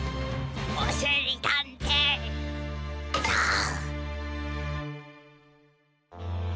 おしりたんていさん。